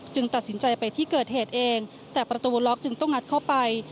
ตัดสินใจไปที่เกิดเหตุเองแต่ประตูล็อกจึงต้องงัดเข้าไป